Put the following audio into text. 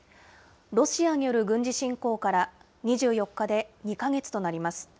ロシアによる軍事侵攻から２４日で２か月となります。